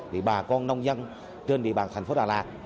thì bà con nông dân trên địa bàn thành phố đà lạt